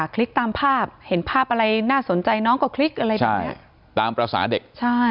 คลิกตามภาพเห็นภาพอะไรน่าสนใจน้องก็คลิกตามภาษาเด็ก